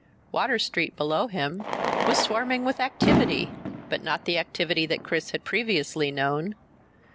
Water Street, below him, was swarming with activity, but not the activity that Chris had previously known.